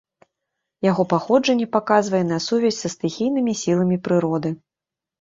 Яго паходжанне паказвае на сувязь са стыхійнымі сіламі прыроды.